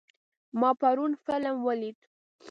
ما پرون فلم ولید.